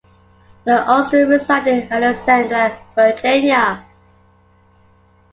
The Austins reside in Alexandria, Virginia.